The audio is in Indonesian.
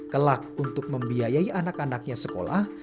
kelak untuk membiayai anak anaknya sekolah